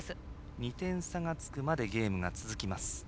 ２点差がつくまでゲームが続きます。